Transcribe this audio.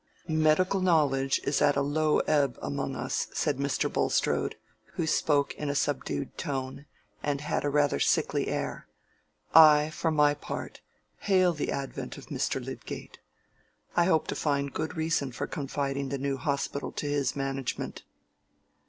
"Medical knowledge is at a low ebb among us," said Mr. Bulstrode, who spoke in a subdued tone, and had rather a sickly air. "I, for my part, hail the advent of Mr. Lydgate. I hope to find good reason for confiding the new hospital to his management."